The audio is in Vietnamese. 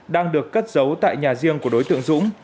đang được cất giấu tại nhà riêng của đối tượng dũng